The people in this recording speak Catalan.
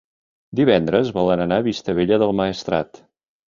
Divendres volen anar a Vistabella del Maestrat.